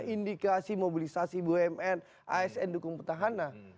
indikasi mobilisasi bumn asn dukung petahana